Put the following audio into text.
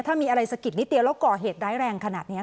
ถ้ามีอะไรสะกิดนิดเดียวแล้วก่อเหตุร้ายแรงขนาดนี้